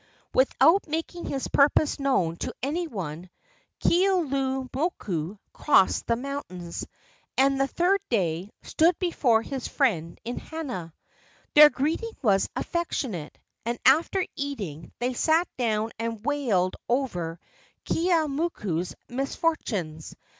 Without making his purpose known to any one, Keaulumoku crossed the mountains, and, the third day, stood before his friend in Hana. Their greeting was affectionate, and after eating they sat down and wailed over Keeaumoku's misfortunes.